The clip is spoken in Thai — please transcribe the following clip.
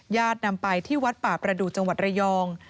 ยาดนำไปที่วัดประบรบฤดูจังหวัดระยอง